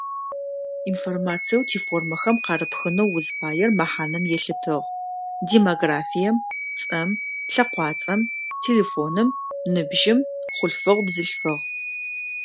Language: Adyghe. Информациеу тиформэхэм къарыпхынэу узфаер мэхьанэм елъытыгъ; демографием, цӏэм, лъэкъуацӏэм, телефоным, ныбжьым, хъулъфыгъ-бзылъфыгъ.